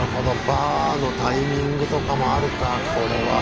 バーのタイミングとかもあるかこれは。